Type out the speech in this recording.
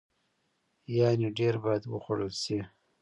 يعنې ډیر باید وخوړل شي.